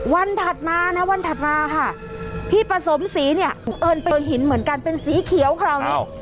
ถัดมานะวันถัดมาค่ะพี่ประสมศรีเนี่ยเอิญไปหินเหมือนกันเป็นสีเขียวคราวนี้